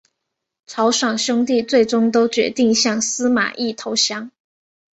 曹爽兄弟最终都决定向司马懿投降。